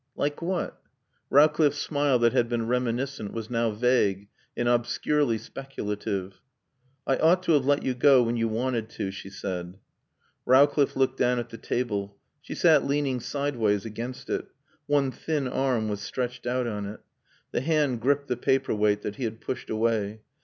"Like what?" Rowcliffe's smile that had been reminiscent was now vague and obscurely speculative. "I ought to have let you go when you wanted to," she said. Rowcliffe looked down at the table. She sat leaning sideways against it; one thin arm was stretched out on it. The hand gripped the paper weight that he had pushed away.